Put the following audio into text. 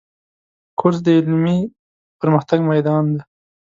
کورس د علمي پرمختګ میدان دی.